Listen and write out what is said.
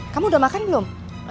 kamu udah makan belum